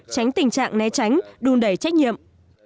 tránh tình trạng né tránh đun đẩy trách nhiệm